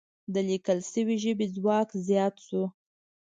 د لیکل شوې ژبې ځواک زیات شو.